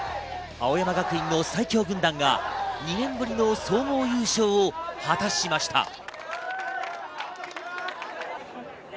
青山学院の最強軍団が２年ぶりの総合優勝を果たしました。